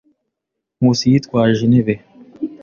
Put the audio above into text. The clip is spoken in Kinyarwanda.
Nkusi yitwaje intebe.